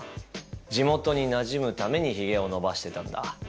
地元になじむためにひげを伸ばしてたんだ。